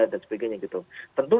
dan sebagainya tentu